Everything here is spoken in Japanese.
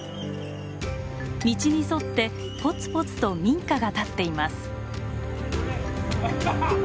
道に沿ってぽつぽつと民家が立っています。